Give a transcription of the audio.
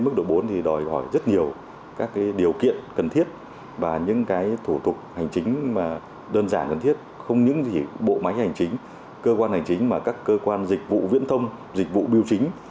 cơ quan hành chính và các cơ quan dịch vụ viễn thông dịch vụ biêu chính